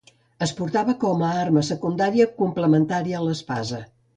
Es portava com a arma secundària, complementària a l'espasa.